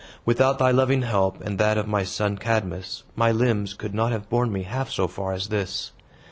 Without thy loving help, and that of my son Cadmus, my limbs could not have borne me half so far as this.